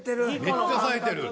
めっちゃさえてる。